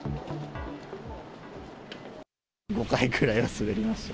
５回くらいは滑りました。